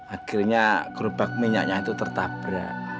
akhirnya gerobak minyaknya itu tertabrak